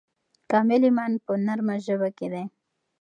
کامل ایمان په نرمه ژبه کې دی.